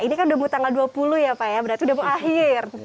ini kan demo tanggal dua puluh ya pak ya berarti demo akhir